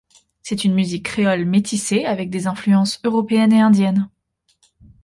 C'est une musique créole métissée avec des influences européennes et indiennes.